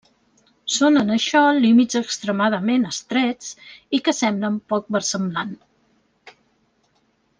Són en això límits extremadament estrets i que semblen poc versemblant.